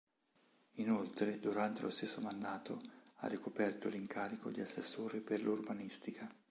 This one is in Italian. Inoltre, durante lo stesso mandato, ha ricoperto l’incarico di assessore per l’Urbanistica.